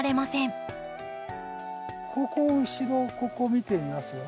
ここ後ろここ見てみますよ。